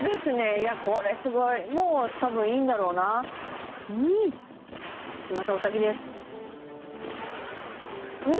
いやこれすごいもう多分いいんだろうなうん！